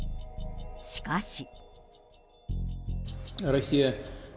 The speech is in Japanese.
しかし。